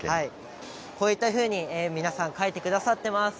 こういったふうに皆さん書いてくださっています。